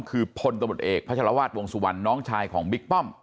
คือพลตำรวจเอกพระชรวาสวงสุวรรณน้องชายของบิ๊กป้อม